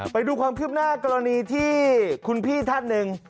ไปดูความคืบหน้ากรณีที่คุณพี่ท่านหนึ่ง